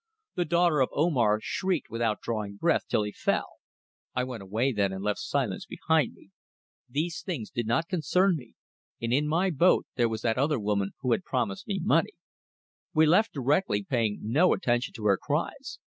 The daughter of Omar shrieked without drawing breath, till he fell. I went away then and left silence behind me. These things did not concern me, and in my boat there was that other woman who had promised me money. We left directly, paying no attention to her cries.